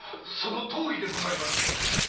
そのとおりでございまする。